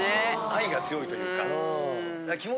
愛が強いというか。